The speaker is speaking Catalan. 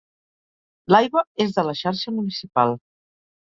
L’aigua és de la xarxa municipal.